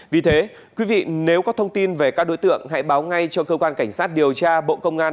vì thế quý vị nếu có thông tin về các đối tượng hãy báo ngay cho cơ quan cảnh sát điều tra bộ công an